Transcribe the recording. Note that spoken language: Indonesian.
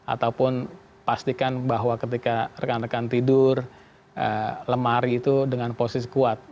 ataupun pastikan bahwa ketika rekan rekan tidur lemari itu dengan posisi kuat